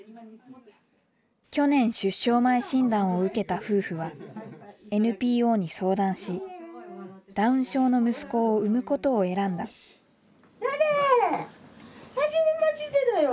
去年出生前診断を受けた夫婦はＮＰＯに相談しダウン症の息子を生むことを選んだはじめましてだよ。